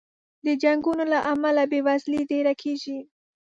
د جنګونو له امله بې وزلي ډېره کېږي.